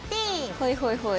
ほいほいほい。